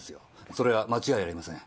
それは間違いありません。